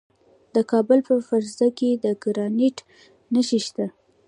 د کابل په فرزه کې د ګرانیټ نښې شته.